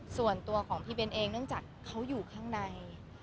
ส่วนตัวของพี่เบนเองเนื่องจากเขาอยู่ข้างใน